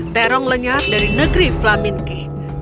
terong lenyap dari negeri flaminki